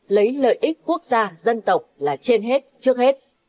lấy lợi ích quốc gia dân tộc là trên hết trước hết